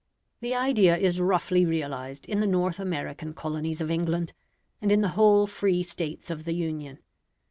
The idea is roughly realised in the North American colonies of England, and in the whole free States of the Union.